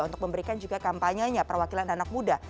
untuk memberikan juga kampanyenya perwakilan anak muda